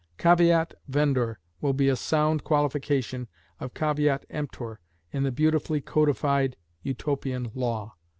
Caveat vendor will be a sound qualification of Caveat emptor in the beautifully codified Utopian law.